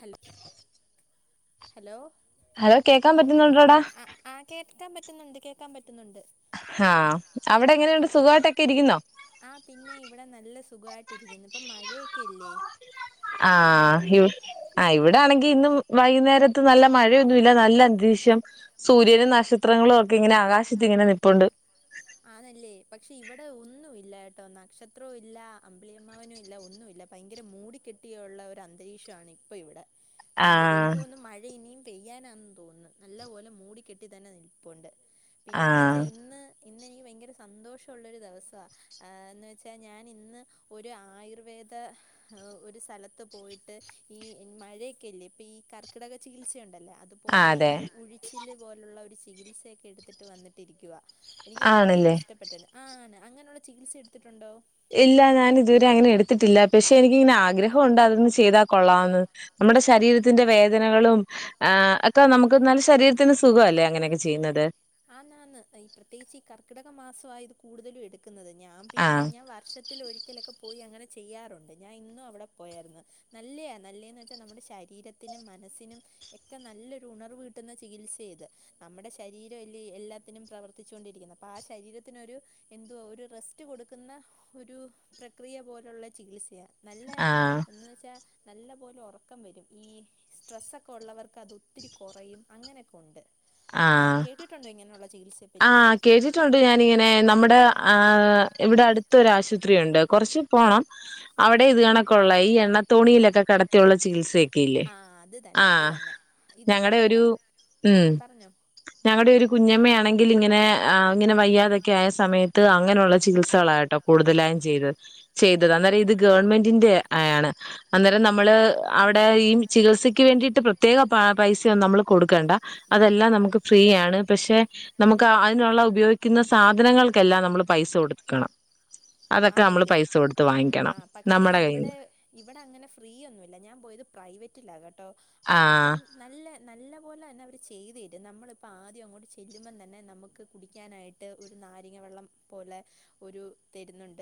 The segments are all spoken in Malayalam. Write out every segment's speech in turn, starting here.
ഹല ഹലോ? ഹലോ കേക്കാൻ പറ്റുന്നുണ്ടോടാ. ആ, ആ കേക്കാം പറ്റുന്നുണ്ട്, കേക്കാം പറ്റുന്നുണ്ട്. ആഹ് അവിടെങ്ങനെയുണ്ട് സുഖായിട്ടൊക്കെ ഇരിക്കുന്നോ? ആഹ് പിന്നെ ഇവിടെ നല്ല സുഖായിട്ടിരിക്കുന്നു. ഇപ്പ മഴേക്ക അല്ലേ. ആഹ് ഇ ആഹ് ഇവിടെ ആണെങ്കി ഇന്നു വൈകുന്നേരത്ത് നല്ല മഴയൊന്നുല്ല നല്ല അന്തരീക്ഷം. സൂര്യനും നക്ഷത്രങ്ങളും ഒക്കെ ഇങ്ങനെ ആകാശത്ത് ഇങ്ങനെ നിപ്പൊണ്ട്. ആണല്ലേ പക്ഷെ ഇവിടെ ഒന്നുല്ല ട്ടോ നക്ഷത്രോം ഇല്ല അമ്പിളിയമ്മാവനും ഇല്ല ഒന്നുല്ല. ഭയങ്കര മൂടിക്കെട്ടിയൊള്ള ഒരു അന്തരീക്ഷാണ് ഇപ്പ ഇവിടെ. ഭയങ്കര എനിക്ക് ആഹ് തോന്നുന്നു മഴ ഇനീം പെയ്യാനാന്ന് തോന്നുന്നു. നല്ല പോലെ മൂടി കെട്ടി തന്നെ നിൽപ്പൊണ്ട് പിന്നെന്ന് വെച്ചാ ആഹ് ഇന്ന് ഇന്നെനിക്ക് ഭയങ്കര സന്തോഷൊള്ളൊരു ദെവസാ. എന്ന് വെച്ചാ ഞാൻ ഇന്ന് ഒരു ആയുർവേദ ഒരു സ്ഥലത്ത് പോയിട്ട് ഈ മഴേക്കെല്ലേ ഇപ്പ ഈ കർക്കിടക ചികിത്സയുണ്ടല്ല അത് ആഹ് പോലെ അതെ ഈ ഉഴിച്ചില് പോലുള്ള ഒരു ചികിത്സേക്കെ എടുത്തിട്ട് വന്നിട്ടിരിക്കുവാ. എനിക്ക് ഒത്തിരി ആണല്ലേ ഇഷ്ടപ്പെട്ടെന്ന് ആ ആണ്‌ അങ്ങനൊള്ള ചികിത്സ എടുത്തിട്ടുണ്ടോ? ഇല്ല ഞാൻ ഇതുവരെ അങ്ങനെ എടുത്തിട്ടില്ല. പക്ഷെ എനിക്കിങ്ങനെ ആഗ്രഹം ഒണ്ട് അതൊന്ന് ചെയ്താ കൊള്ളാന്ന്. നമ്മുടെ ശരീരത്തിന്റെ വേദനകളും ആഹ് അക്ക നമുക്ക് നല്ല ശരീരത്തിന് സുഖ അല്ലേ അങ്ങനെക്കെ ചെയ്യുന്നത്. ആന്ന്, ആന്ന് ഈ പ്രത്യേകിച്ച് ഈ കർക്കിടക മാസ ആ ഇത് കൂടുതലും എടുക്കുന്നത്. ഞാൻ പിന്നെ ആഹ് ഞാ വർഷത്തി ത്തിലൊരിക്കലൊക്ക പോയി അങ്ങനെ ചെയ്യാറുണ്ട്. ഞാൻ ഇന്നും അവിടെ പോയാരുന്ന്. നല്ലെയാ, നല്ലേന്ന് വെച്ചാ നമ്മുടെ ശരീരത്തിനും, മനസ്സിനും എക്കെ നല്ലൊരു ഉണർവ് കിട്ടുന്ന ചികിത്സയിത് നമ്മുടെ ശരീര ല്ല എല്ലാത്തിനും പ്രവർത്തിച്ചൊണ്ടിരിക്കുന്ന അപ്പ ആ ശരീരത്തിനൊരു എന്തുവാ ഒരു റെസ്റ്റ് കൊടുക്കുന്ന ഒരു പ്രക്രിയ പോലുള്ള ചികിത്സയ. നല്ല ആഹ് എന്ന് വെച്ചാ നല്ല പോല ഒറക്കം വരും. ഈ സ്ട്രെസ്സൊക്കെ ഒള്ളവർക്ക് അത് ഒത്തിരി കൊറയും. അങ്ങനക്ക ഒണ്ട്. ആഹ് കേട്ടിട്ടുണ്ടോ ഇങ്ങനെയുള്ള ചികിത്സ? ആഹ് കേട്ടി ട്ടൊണ്ട് ഞാനിങ്ങനെ നമ്മുടെ ആഹ് ഇവിടെ അടുത്തൊരാശുത്രി ഒണ്ട് കൊറച്ച് പോണം. ആഹ് അവിടെ ഇത് കണക്കൊള്ള ഈ എണ്ണത്തോണിയിലക്കെ കെ ടത്തിയുള്ള ചികിത്സേ. ക്കില്ലേ. ആ അത് തന്നെ അത് ആഹ് തന്നെ ഇത് ഞങ്ങടെ ഒരു തുടക്കം ആ ഉം. പറഞ്ഞോ ഞങ്ങടെ ഒരു കുഞ്ഞമ്മയാണെ ങ്കിലിങ്ങനെ, ഇങ്ങനെ വയ്യാതൊക്കെ ആയ സമയത്ത് അങ്ങനെള്ള ചികിത്സകളാട്ടോ കൂടുതലായും ചെയ്ത. ചെയ്തത് അന്നേരം ഇത് ഗവൺമെന്റിന്റെ ആയാണ്. അന്നേരം നമ്മള് അവിടെ ഈ ചികിത്സക്ക് വേണ്ടിയിട്ട് പ്രത്യേക പൈസൊന്നും നമ്മള് കൊടുക്കേണ്ട അതെല്ലാം നമുക്ക് ഫ്രീയാണ് പക്ഷെ നമുക്ക് അതിനുള്ള ഉപയോഗിക്കുന്ന സാധനങ്ങൾക്കെല്ലാം നമ്മൾ പൈസ കൊടുക്കണം അതൊക്കെ നമ്മള് ആന്നല്ലേ പൈസ കൊടുത്ത് ആ വാങ്ങിക്കണം പക്ഷെ നമ്മടെ ഇവിടെ കയ്യിന്ന് ഇവിടെ അങ്ങനെ ഫ്രീയൊന്നുല്ല ഞാൻ പോയത് പ്രൈവറ്റിലാകട്ടോ അപ്പം ആഹ് നല്ല നല്ല പോോലെ തന്നെ അവർ ചെയ്തു തരും നമ്മളിപ്പോം ആദ്യം അങ്ങോട്ട് ചെല്ലുമ്പം തന്നെ നമുക്ക് കുടിക്കാനായിട്ട് ട്ട് ഒരു നാരങ്ങ വെള്ളം പോലെ ഒരു തരുന്നുണ്ട്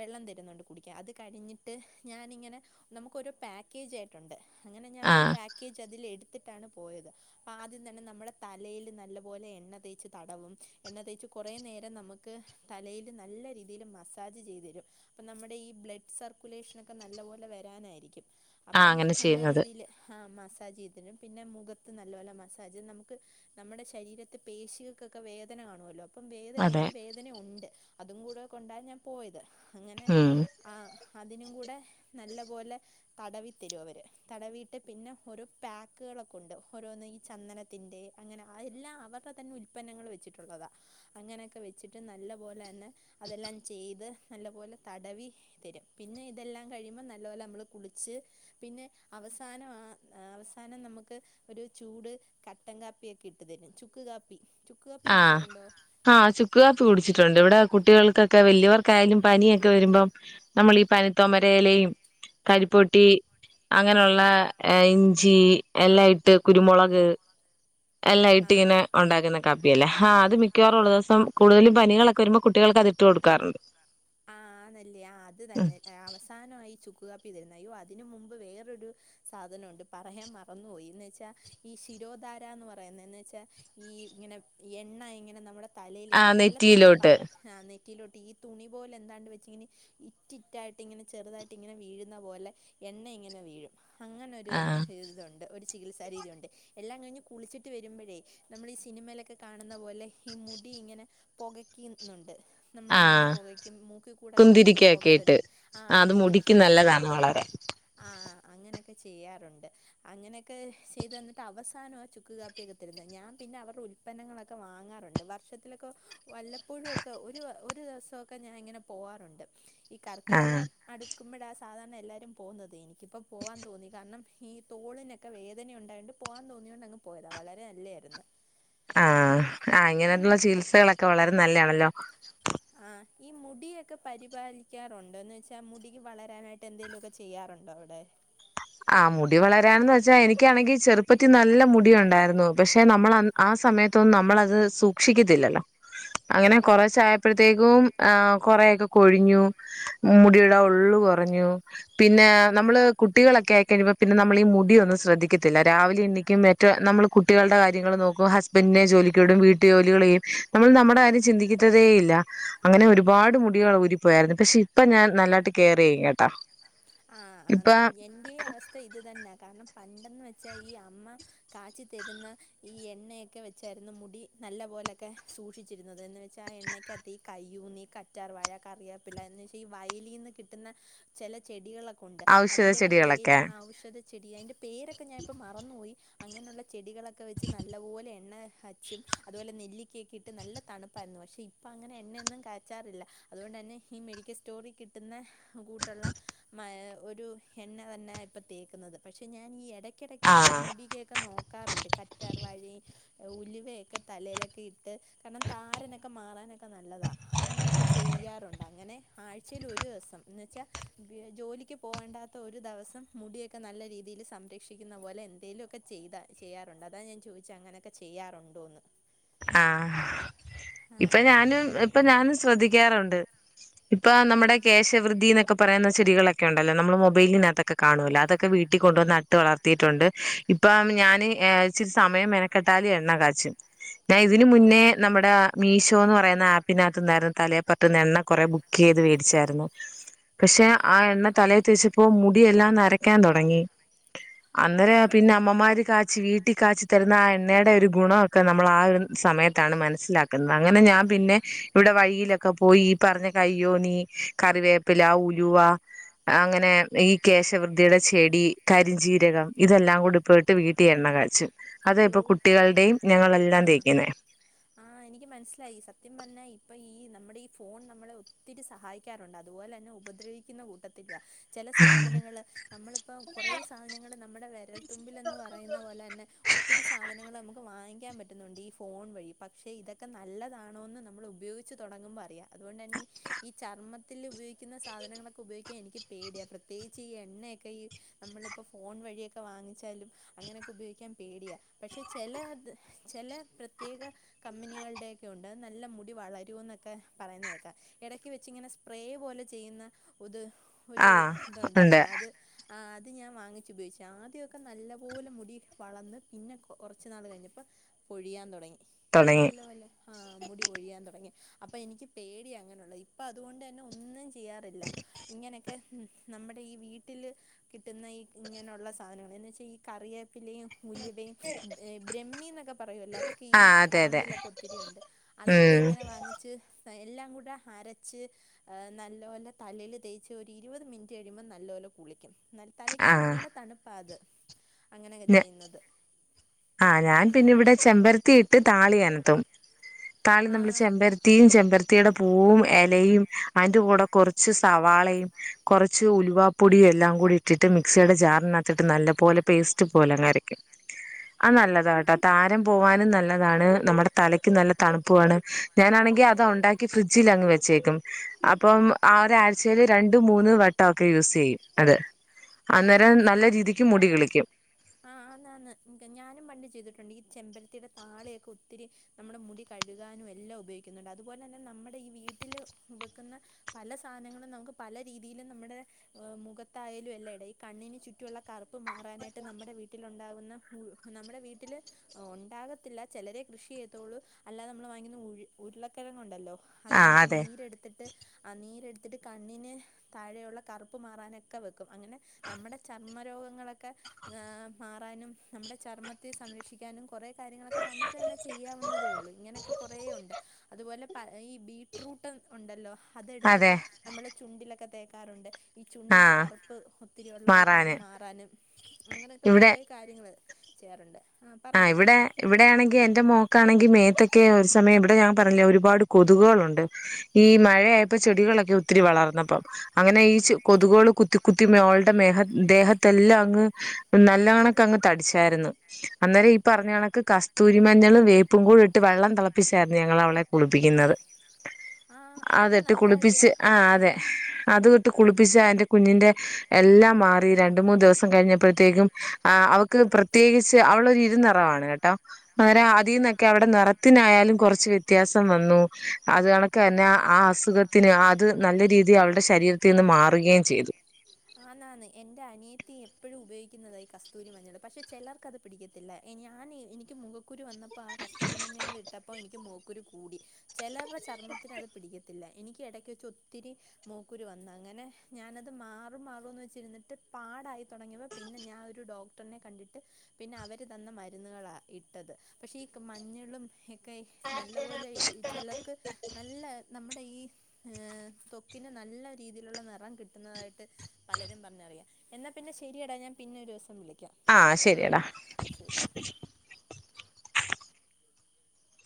വെള്ളം തരുന്നുണ്ട് കുടിക്കൻ അത് കഴിഞ്ഞിട്ട് ഞാനിങ്ങനെ നമുക്ക് ഒരോ പാക്കേജ ആയിട്ടുണ്ട് അങ്ങനെ ഞാൻ ഒരു ആഹ് പാക്കേജ് അതിൽ എടുത്തിട്ടാണ് പോയത് അപ്പ ആദ്യം തന്നെ നമ്മുടെ തലൽ നല്ല പോലെ എണ്ണ തേച്ച് തടവും എണ്ണ തേച്ച് കുറെേ നേരം നമുക്ക് തലയില് നല്ല രീതിയിൽ മസ ാജ് ചെയ്തു തരും അപ്പൊ നമ്മുടെ ഈ ബ്ലഡ് സർക്കുലേഷനക്കെ നല്ല പോലെ വരാനായിരിക്കും ആഹ് അപ്പം അങ്ങനെ നല്ല ചെയ്യുന്നത് രീതിയിൽ മസാജ് ചെയ്തിട്ടും പിന്നെ മുഖത്ത് നല്ലപോലെ മസാജ് നമുക്ക് നമ്മുടെ ശരീരത്തെ പേശികൾക്കൊക്കെ വേദന കാണുമല്ലോ അപ്പം വേദന അതെ എനിക്ക് വേദന ഉണ്ട് അതും കൂടെ കൊണ്ട ഞാൻ പോയത് അങ്ങനെ ഉം ആഹ് അതിനും കൂടെ നല്ലപോലെ തടവി തരും അവര് തടവിട്ട് പിന്നെ ഓരോ പാക്കുകളൊക്കെ ഉണ്ട് ഓരോന്ന് ഈ ചന്ദന ത്തിന്റെ അങ്ങനെ അത എല്ലാം അവരുടെ തന്നെ ഉൽപന്നങ്ങൾ വെച്ചിട്ടുള്ളതാ അങ്ങനെയൊക്കെ വെച്ചിട്ട് നല്ല പോലെ തന്നെ അതെല്ലാം ഇത് നല്ലപോലെ തടവി തരും പിന്നെ ഇതെല്ലാം കഴിയുമ്പോൾ നല്ലപോലെ നമ്മൾ കുളിച്ച് പിന്നെ അവസാനം ആ അവസാനം നമുക്ക് ഒരു ചൂട് കട്ടൻ കാപ്പിയൊക്കെ ഇട്ടു തരും ചുക്ക് കാപ്പി ചുക്ക് കാപ്പി ആഹ് കുടിച്ചിട്ടുണ്ടോ ആഹ് ചുക്ക് കാപ്പി കുടിച്ചിട്ടുണ്ട് ഇവിടെ കുട്ടികൾക്കൊക്കെ വലിയവർക്കായാലും പനിയൊക്കെ വരുമ്പം നമ്മൾ ഈ പനിത്തോമരയിലയും കരിപ്പൊട്ടി അങ്ങനെയുള്ള ഇഞ്ചി എല്ലാം ഇട്ട് കുരുമുളക് എല്ലാം ഇട്ട് ഇങ്ങനെ ഉണ്ടാക്കുന്ന കപ്പിയ അല്ല ആ അത് മിക്കവാറുംുള്ള ദിവം കൂടുതലും പനികളൊക്കെ വരുമ്പോ കുട്ടികൾക്ക് അത് ഇട്ട് കൊടുക്കാറുണ്ട് ആഹ് അന്നല്ലേ അത് ഉം തന്നെ അവസാനമായി ചുക്ക്കപ്പി തരുന്ന അയോ അതിന് മുമ്പ് വേറൊരു സാധനമുണ്ട് പറയാൻ മറന്നുപോയി എന്ന് വെച്ചാൽ ഈ ശിരോധാര എന്ന് പറയുന്നന്ന് വെച്ചാൽ ഈ ഇങ്ങനെ എണ്ണ ഇങ്ങനെ നമ്മുടെ തലൽ ഇങ്ങനെ ആഹ് നല്ല തണുപ്പാ നെറ്റിയിലോട്ട് ആഹ് നെറ്റിലോട്ട് ഈ തുണി പോലെ എന്താണ്ട് വെച്ചിങ്ങനെ ഇറ്റിറ്റായിട്ട് ഇങ്ങനെ ചെറുതായിട്ട് ഇങ്ങനെ വീഴുന്ന പോലെ എണ്ണ ഇങ്ങനെ വീഴും അങ്ങനൊ ഒരു ആഹ് ഇതുണ്ട് ഒരു ചികിത്സാരീതിുണ്ട് എല്ലാം കഴിഞ്ഞ് കുളിച്ചിട്ട് വരുമ്പോഴേ നമ്മൾ ഈ സിനിമയിലൊക്കെ കാണുന്ന പോലെ ഈ മുടി ഇങ്ങനെ പുകക്കുന്നുണ്ട് നമ്മുടെ മുടി ആഹ് പുകയ്ക്കും മൂക്ക കൂടക്കെ ഇങ്ങനെൊരു പുക കുന്തിരിക്കയൊക്കെ തര ഇട്ട് ആഹ് അത് കുന്തിരിക്ക മുടിക്ക് ഇട്ട് നല്ലതാണ് വളരെ ആഹ് അങ്ങനെയൊക്കെ ചെയ്യാറുണ്ട് അങ്ങനെയൊക്കെ ചെയ്ത് തന്നിട്ട് അവസാനം ആഹ് ചുക്ക് കാപ്പിയൊക്കെ തരുന്നത് ഞാൻ പിന്നെ അവരുടെ ഉൽപ്പന്നങ്ങളൊക്കെ വാങ്ങാറുണ്ട് വർഷത്തിലൊക്കെ വല്ലപ്പോഴുംൊക്കെ ഒരു ഒരു ദിവസമൊക്കെ ഞാൻ ഇങ്ങനെ പോവാറുണ്ട് ഈ കർക്കിടക ആഹ് അടുക്കുമ്പോഴ ആ സാധാരണ എല്ലാവാരും പോകുന്നത് എനിക്കിപ്പോ പോവാൻ തോന്നി കാരണം ഈ തോളിനൊക്കെ വേദനയ ഉണ്ടായ കൊണ്ട് പോകാൻ തോന്നിയൊണ്ട് അങ്ങ് പോയതാ വളരെ നല്ലതായിരുന്നു ആഹ് അങ്ങനെ ആഹ് ഈ ഇങ്ങനെയുള്ള ചികിത്സകളൊക്കെ വളരെ നല്ലതാണല്ലോ ആഹ് ഈ മുടിയൊക്കെ പരിപാലിക്കാറുണ്ടോന്ന് വെച്ചാൽ മുടി വളരാനായിട്ട് എന്തെങ്കലുമൊക്കെ ചെയ്യാറുണ്ടോ അവിടെ ആ മുടി വളരാണെന്ന് വെച്ചാൽ എനിക്കാണെങ്കിൽ ചെറുപ്പത്തി നല്ല മുടി ഉണ്ടായിരുന്നു പക്ഷെ നമ്മൾ ആ സമയത്തൊന്നും നമ്മളത് സൂക്ഷിക്കത്തില്ലല്ലോ [inaudible] അങ്ങനെ കൊറേശെ അപ്പോഴത്തേക്കും ആഹ് കൊറേയൊക്കെ കൊഴിഞ്ഞു മുടിയുടെ ഉള്ള് കുറഞ്ഞു പിന്നെ ന്നമ്മള് കു ഒക്കെ ആയിക്കഴിയുമ്പോ പിന്നെ നമ്മൾ ഈ മുടി ഒന്നും ശ്രദ്ധിക്കത്തില്ല രാവിലെ എണിക്കും മറ്റ നമ്മൾ കുട്ടികളുടെ കാര്യങ്ങൾ നോക്കും ഹസ് പിന്നെ ജോലിക്കടും വീട്ടു ജോലികളെയും നമ്മൾ നമ്മടെ കാര്യം ചിന്തിക്കതേ ഇല്ല അങ്ങനെ ഒരുപാട് മുടികൾ ഊരിപ്പോയായിരുന്നു പക്ഷെ ഇപ്പ ഞാൻ നല്ലായിട്ട് കെയർയ്യും കേട്ടോ ഇപ്പ എന്റെയും അവസ്ഥ ഇത് തന്നാ കാരണം പണ്ടെന്ന് വെച്ചാ ഈ അമ്മ കാച്ചി തരുന്ന ഈ എണ്ണയൊക്കെ വെച്ചായിരുന്നു മുടി നല്ല പൊലെക്കെ സൂക്ഷിച്ചിരുന്നത് എന്ന് വെച്ചാ ആ എണ്ണ കയ്യൂനീ, കറ്റാർ വഴ, കറിയപ്പില എന്ന് ചെയ്യ വയലിൽന്ന് കിട്ട്ന്ന ചെല ചെടികളൊക്കെ ഉണ്ട് ഔഷധ അതിന്റെക്കെ പേര് ചെടികളൊക്കെ ആഔഷധ ചെടി അയ്ൻ്റെ പേരൊക്കെ ഞാനിപ്പോ മറന്നുപോയി അങ്ങനെള്ള ചെടികളൊക്കെ വെച്ച് നല്ലപോലെ എണ്ണ അച്ചും അതുപോലെ നെല്ലിക്കൊക്കെ ഇട്ട് നല്ല തണുപ്പായിരുന്നു പക്ഷെ ഇപ്പ അങ്ങനെ എണ്ണയൊന്നും കാച്ചാറില്ല അതൊണ്ടന്നെ ഈ മെഡിക്കൽ സ്റ്റോറിൽ കിട്ടുന്ന കൂട്ടുള്ള മ ഒരു എണ്ണ തന്നെ ഇപ്പൊ തേക്കുന്നത് പക്ഷെ ഞാൻ ഈ എട ക്കിടക്ക് ഈ ആഹ് മുടികയൊക്കെ നോക്കാറുണ്ട് കറ്റാർ വാഴ ഉലുവയൊക്കെ തലയിലൊക്കെ ഇട്ട് കാരണം താരനൊക്കെ മാറാനൊക്കെ നല്ലതാ അങ്ങനെയൊക്കെ ചെയ്യാറുണ്ട് അങ്ങനെ ആഴ്ചയിൽ ഒരു ദിവസം എന്ന വെച്ചാൽ ജോലിക്ക് പോകണ്ടാത്ത ഒരു ദിവസം മുടിയൊക്കെ നല്ല രീതിയിൽ സംരക്ഷിക്കുന്ന പോലെ എന്തെലുഒക്കെ ചെയ്താൽ ചെയ്യാറുണ്ട് അതാ ഞാൻ ചോയ്ച് അങ്ങനെക്കെ ചെയ്യാറുണ്ടോന്ന് ആഹ് ആ ഇപ്പൊ ഞാനും ഇപ്പൊ ഞാനും ശ്രദ്ധിക്കാറുണ്ട് പ്പൊ നമ്മുടെ കേശവൃദ്ധി എന്നൊക്കെ പറയുന്ന ചെടികളൊക്കെ ഉണ്ടല്ലോ നമ്മള് മൊബൈലിനതക് കാണല്ലോ അതൊക്കെ വീട്ടിൽ കൊണ്ടുവന്ന് നട്ട് വളർത്തിയിട്ടുണ്ട് ഇപ്പം ഞാൻ ഇച്ചിരി സമയം കട്ടാലും എണ്ണ കാച്ചും ഞാൻ ഇതിന ആ മുന്നേ നമ്മുടെ മീഷോ എന്ന് പറയുന്ന ആപ്പിനകത്ത്ന്നായിരുന്നു തലേപ്പറട്ട്ന്ന എണ്ണ കൊറെ ബുക് കീത് മേടിച്ചായിരുന്നു പക്ഷെ ആ എണ്ണ തലയി തേച്ച് പ്പൊ മുടിയെല്ലാം നരക്കാൻ തുടങ്ങി അന്നേര പിന്നെ ആഹ് അമ്മമാര് കാ ച്ച് വീട്ടി കാച്ചു തരുന്ന ആ എണ്ണയുടെ ഒരു ഗുണഒക്കെ നമ്മൾ ആ ഒരു സമയത്താണ് മനസ്സിലാക് അങ്ങനെ ഞാൻ പിന്നെ ഇവടെ വഴിയിലൊക്കെ പോയി ഈ പറഞ്ഞ കയ്യോനി, കറിവേപ്പില, ഉലുവ അങ്ങനെ ഈ കേശവൃതിയുടെ ചെടി, കരിഞ്ജീരകം ഇതെല്ലാം കൂടിപ്പെട്ട് വീട്ടിൽ എണ്ണ കാച്ചും അത അയ്യോ ഇപ്പൊ കുട്ടികളുടെയും ഞങ്ങളെല്ലാം തേക്കും ആ എനിക്ക് മനസ്സിലായി സത്യം പറഞ്ഞാ ഇപ്പൊ ഈ നമ്മുടെ ഈ ഫോൺ നമ്മളെ ഒത്തിരി സഹായി ക്കാറുണ്ട് അതുപോലെന്നെ ഉപദ്രവിക്കുന്ന കൂട്ടത്തിലുവാ ചെല സാധനങ്ങള്ൾ നമ്മളിപ്പോ കൊറേ സാധനങ്ങള്ൾ നമ്മടെ വെരൽത്തുമ്പിൽന്ന് പറയുന്ന പോലെന്നെ ഒത്തിരി സാധനങ്ങൾ നമുക്ക് വാങ്ങിക്കാൻ പറ്റുന്നുണ്ട് ഈ ഫോൺ വഴി പക്ഷേ ഇതൊക്കെ നല്ലതാണോന്ന് നമ്മൾ ഉപയോഗി ച്ച് തൊടങ്ങുമ്പോ അറിയ അതൊണ്ട്‌ന്നെ ഈ ചർമ്മത്തിൽ ഉപയോഗിക്കുന്ന സാധനങ്ങളൊക്കെ ഉപയോഗിക്കാൻ എനിക്ക് പേടിയ പ്രത്യേകിച്ച് ഈ എണ്ണയൊക്കെ ഈ നമ്മളിപ്പോ ഫോൺ വഴിയൊക്കെ വാങ്ങിച്ചാലും അങ്ങനെക്കെ ഉപയോഗിക്കാൻ പേടിയാ പക്ഷെ ചെല ത് അത് ചെല പ്രത്യേക കമ്പനികൾടെയൊക്കെ ഉണ്ട് നല്ല മുടി വളരൂ ന്നൊക്കെ പറയുന്നേക്കാം എടക്ക് വെച്ച് ങ്ങനെ സ്പ്രേ പോലെ ചെയ്യുന്ന ഉത് ഒരു ആ ഉണ്ട് തുണ്ടായിരുന്നു അത് ആ അത് ഞാൻ വാങ്ങിച് ഉപയോഗിച്ചു ആദ്യഒക്കെ നല്ലപോലെ മുടി വളർന്ന് പിന്നെ കൊറച്ച് നാൾ കഴിഞ്ഞപ്പോ പൊഴിയാൻ തൊടങ്ങി തുടങ്ങി നല്ല പോലേ ആ മുടി ഒഴിയാൻ തൊടങ്ങി അപ്പൊ എനിക്ക് പേടിയ അങ്ങനെള്ളുത് ഇപ്പൊ അതുകൊണ്ട്ന്നെ ഒന്നും യ്യാറില്ല ഇങ്ങനെയൊക്കെ ഉം നമ്മടെ ഈ വീട്ടിൽ കിട്ടുന്ന ഈ ഇങ്ങനെയുള്ള സാധനങ്ങൾ എന്ന് വെച്ചാൽ ഈ കറിയെ പ്പിലയും, ഉലുവയും, ബ്രഹ്മി ന്നൊക്കെ പറയൂല്ലോ അതൊക്കെ ഈ ആ അതെ അതെ പറമ്പിലൊക്കെ ഒത്തിരിയുണ്ട് അതൊക്കെ ഉം ഇങ്ങനെ വാങ്ങിച്ച് എല്ലാം കൂടെ അരച്ച് നല്ലപോല തലൽ തേച്ച് ഒരു ഇരുപത് മിനിറ്റ് കഴിയുമ്പോൾ നല്ലപോലെ കുളിക്കും ന്നൽ ആ തലക്ക് നല്ല തണുപ്പാത് അങ്ങനെയൊക്കെ ചെയ്യുന്നത് ആ ഞാൻ പിന്നെ വടെ ചെമ്പരത്തിയിട്ട് താളിയെനെത്തും താളി ആ നമ്മള് ചെമ്പരത്തി വത്തി [unintelligible] യും ചെമ്പരത്തീടെ പൂവും എലയും അയ്ന്റെ കൂടെ കൊറച്ച് സവാളയും കൊറച്ച് കൊറച്ച് ഉലുവാപ്പൊടിയും എല്ലാം കൂടി ഇട്ടിട്ട് മിക്സിയുടെ ജാറിനകത്തിട്ട് നല്ല പോലെ പേസ്റ്റ് പോലെ അങ്ങരക്കും അഹ് ആ നല്ലതാട്ടാ താരൻ പോവാനും നല്ലതാണ് നമ്മടെ തലക്ക് നല്ല തണുപ്പു ആണ് ഞാനാണെങ്കിൽ അത് ഉണ്ടാ ക്കി ഫ്രിഡ്ജിലങ്ങ് വെച്ചേക്കും അപ്പം ആഹ് ഒരാഴ്ചയില് രണ്ട് മൂന്ന് വട്ടം ഒക്കെ യൂസ് ചെയ്യും അത് ആന്ന് അന്നേരം ആന്ന് നല്ല രീതിക്ക് മുടി കിളിക്കും ആഹ് ആണാണ് ഞാനും പണ്ട് ചെയ്തിട്ടുണ്ട് ഈ ചെമ്പരത്തീടെ താളിയൊക്കെ ഒത്തിരി നമ്മുടെ മുടി കഴുകാനും എല്ലാം ഉപയോഗിക്കുന്നുണ്ട് അതുപോലെ തന്നെ നമ്മടെ ഈ വീട്ടില് വെക്കുന്ന പല സാനങ്ങളും നമുക്ക് പല രീതിയിലും നമ്മടെ മുഖത്തായാലും എല്ലാം ഇട കണ്ണിന് ചുറ്റുള്ള കറുപ്പ് മാറാനായിട്ട് നമ്മടെ വീട്ടിലുണ്ടാകുന്ന നമ്മടെ വീട്ടില് ഉണ്ടാകത്തില്ല ചിലരേ കൃഷി ചെയ്യത്തുള്ളു അല്ലാതെ നമ്മള് വാങ്ങിക്കുന്ന ഉൾ ഉരുളക്കിഴങ്ങ് ഉണ്ടല്ലോ ആ അതിൻ്റെ അതെ നീരെടുത്തിട്ട് ആഹ് നീരെടുത്തിട്ട് കണ്ണിന് താഴെ ഉള്ള കറുപ്പ് മാറാനൊക്കെ വെക്കും അങ്ങനെ നമ്മടെ ചർമ്മ രോഗങ്ങളൊക്കെ മാറാനും നമ്മടെ ചർമ്മത്തെ സംരക്ഷിക്കാനും കൊറേ കാര്യങ്ങളൊക്കെ നമ്മക്ക് തന്നെ ചെയ്യാവുന്നതേ ഒള്ളൂ ഇങ്ങനൊക്കെ കൊറേ ഒണ്ട് അതുപോലെ പ ഈ ബീട്രൂട്ട് ഒണ്ടല്ലോ അതെ അതെടുത്തിട്ട് നമ്മള് ചുണ്ടിലൊക്കെ തേക്കാറുണ്ട് ഈ ആ ചുണ്ടിൻ്റെ കറുപ്പ് ഒത്തിരിയൊള്ളവർക്ക് അത് മാറാന് മാറാനും അങ്ങനൊക്കെ ഇവിടെ കൊറേ കാര്യങ്ങള് ചെയ്യാറുണ്ട് ആ ആഹ് പറഞ്ഞോ ഇവിടെ ഇവിടെയാണെങ്കി എൻ്റെ മോക്കാണെങ്കി മേത്തൊക്കെ ഒരു സമയം ഇവിടെ ഞാൻ പറഞ്ഞില്ലേ ഒരുപാട് കൊതുകുകളുണ്ട് ഈ മഴയായപ്പോ ചെടികളൊക്കെ ഒത്തിരി വളർന്നപ്പം അങ്ങനെ ഈ ചെ കൊതുകുകള് കുത്തി കുത്തി മോൾ ടെ മേഹം ദേഹത്തെല്ലാം അങ്ങ് നല്ല കണക്കങ്ങ് തടിച്ചായിരുന്നു അന്നേരം ഈ പറഞ്ഞ കണക്ക് കസ്തൂരി മഞ്ഞളും വേപ്പും കൂടെ ഇട്ട് വെള്ളം തെളപ്പിച്ചായിരുന്നു ഞങ്ങളവളെ കുളിപ്പിക്കുന്നത് ആ അതൊക്കെ അതിട്ട് നല്ല കുളിപ്പിച്ച് കാര്യമാണ് ആഹ് അതെ ആ അത് ട്ട് കുളിപ്പിച്ച എന്റെ കുഞ്ഞിന്റെ എല്ലാം മാറി രണ്ട് മൂന്ന് ദിവസം കഴിഞ്ഞപ്പോഴത്തേക്കും ആഹ് അവക്ക് പ്രത്യേകിച്ച് അവളൊരു ഇരു നിറാണ് കേട്ടോ ആ അങ്ങനെ അതീനൊ ക്കെ അവടെ നിറത്തിനായാലും കൊറച്ച് വ്യത്യാസം വന്നു അത് കണക്കന്നെ ആഹ് അസുഖത്തിന് അത് നല്ല രീതിയിൽ അവൾടെ ശരീരത്തീന്ന് മാറുകയും ചെയ്തു ആണ് ആണ് എന്റെ അനിയത്തി എപ്പോഴും ഉപയോഗിക്കുന്നതാ ഈ കസ്തൂരി മഞ്ഞള് പക്ഷെ ചിലർക്കത് പിടിക്കത്തില്ല ഞാന് എനിക്ക് മുഖക്കുരു വന്നപ്പോൾ ആ കസ്തൂരി മഞ്ഞങ്ങള് ഇട്ടപ്പോ എനിക്ക് മുഖക്കുരു കൂടി ചെലർടെ ചർമ്മത്തിന് അത് പിടിക്കത്തില്ല എനിക്ക് എടക്ക് വെച്ച് ഒത്തിരി മോക്കുരു വന്ന് അങ്ങനെ ഞാനത് മാ മാറും മാറും എന്ന് വെച്ചിരുന്നിട്ട് പാടായി തൊടങ്ങിയപ്പോ പിന്നെ ഞാൻ ഒരു ഡോക്ടറിനെ കണ്ടിട്ട് പിന്നെ അവര് തന്ന മരുന്നുകളാ ഇട്ടത് പക്ഷേ ഈ മഞ്ഞളും ഒക്കെ നല്ല പോലെ ഈ ചെലർക്ക് നല്ല നമ്മടെ ഈ ഏഹ് ത്വക്കിന് നല്ല രീതിയിലുള്ള നെറം കിട്ടുന്നതായിട്ട് പലരും പറഞ്ഞറിയാം എന്നാ പിന്നെ ശരിയടാ ഞാൻ പിന്നെ ഒരൂസം വിളിക്കാം ആഹ് ശരിയടാ ശരി